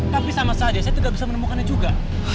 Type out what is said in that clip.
tapi sama saja saya tidak bisa menemukannya juga